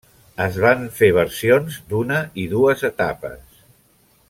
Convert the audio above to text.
Es van fer versions d'una i dues etapes.